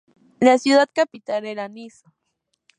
La ciudad capital era Niš.